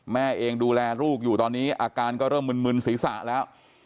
แม่เองดูแลลูกอยู่ตอนนี้อาการก็เริ่มมึนศีรษะแล้ว